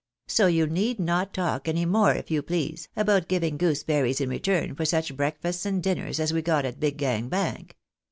So you need not talk any more, if you please, about giving gooseberries in return for such breakfasts and dinners as we got at Big Gang Bank.